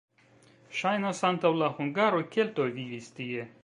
Ŝajnas, antaŭ la hungaroj keltoj vivis tie.